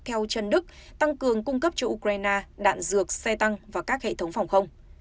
theo chân đức tăng cường cung cấp cho ukraine đạn dược xe tăng và các hệ thống phòng không